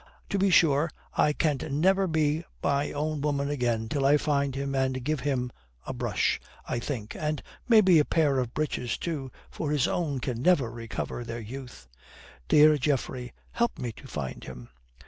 To be sure, I can ne'er be my own woman again till I find him and give him a brush, I think, and maybe a pair of breeches too, for his own can never recover their youth. Dear Geoffrey, help me to find him."